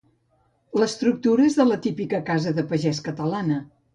L'estructura és la de la típica casa de pagès catalana.